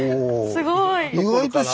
すごい。